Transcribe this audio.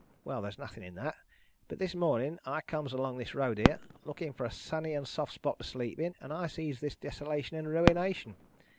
Well, there's nothing in that. But this morning I comes along this road here, looking for a sunny and soft spot to sleep in, and I sees this desolation and ruination.